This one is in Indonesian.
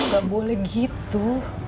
gak boleh gitu